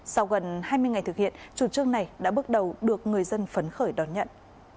sau gần hai mươi ngày thực hiện chủ trương này đã bước đầu được người dân phấn khởi đón nhận